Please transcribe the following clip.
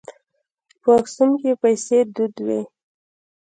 په اکسوم کې پیسې دود وې.